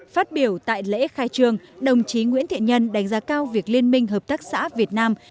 phát biểu tại lễ khai trương đồng chí nguyễn thiện nhân đánh giá cao việc liên minh hợp tác xã việt nam